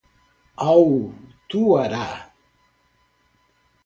autuará